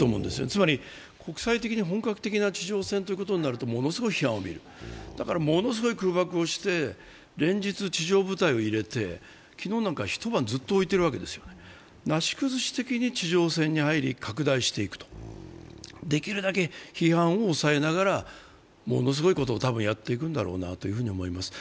つまり国際的に本格的な地上戦ということになるとすごい批判を浴びる、だからものすごい空爆をして連日地上部隊を入れて、昨日なんか一晩ずっと置いているわけなんですよ、なし崩し的にそれを拡大していく、できるだけ批判を抑えながらものすごいことを多分やっていくんだろうなと思います。